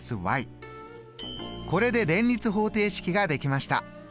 これで連立方程式ができました！